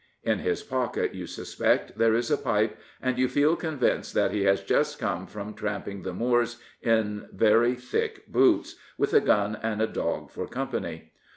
In his pocket, you suspect, there is a pipe, and you feel convinced that he has just come from tramping the moors in very thick boots, with a gun and a dog for company.